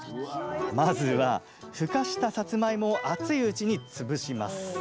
まずは、ふかしたさつまいもを熱いうちに潰します。